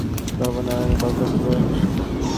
তাছাড়া, লোকমুখে শুনেছি, গভর্নরকে বরখাস্ত করা হয়েছে।